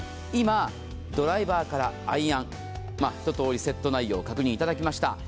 今ドライバーからアイアンひととおりセット内容を確認頂きました。